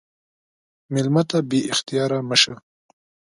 مېلمه ته بې اختیاره مه شه.